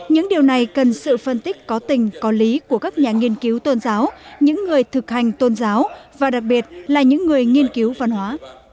những điều này cần sự phân tích có tình có lý của các nhà nghiên cứu tôn giáo những người thực hành tôn giáo và đặc biệt là những người nghiên cứu văn hóa